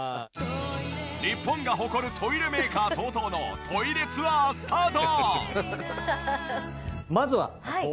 日本が誇るトイレメーカーＴＯＴＯのトイレツアースタート！